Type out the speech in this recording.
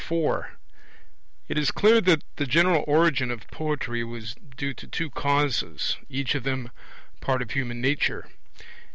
4 It is clear that the general origin of poetry was due to two causes, each of them part of human nature.